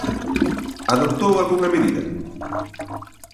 ¿Adoptou algunha medida?